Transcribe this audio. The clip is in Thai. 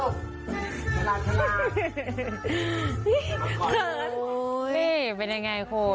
เบเป็นยังไงครับคุณ